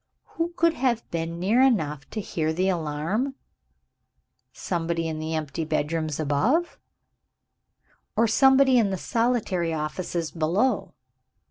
Who could have been near enough to hear the alarm? Somebody in the empty bedrooms above? Or somebody in the solitary offices below?